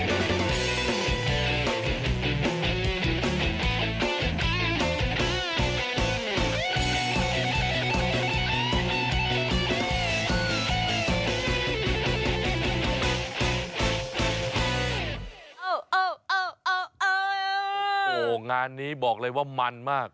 โอ้โหงานนี้บอกเลยว่ามันมาก